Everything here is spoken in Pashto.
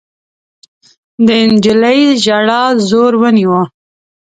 د نجلۍ ژړا زور ونيو.